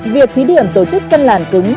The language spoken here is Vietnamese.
việc thí điểm tổ chức phân làn cứng